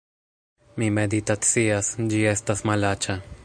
Mi meditacias, ĝi estas malaĉa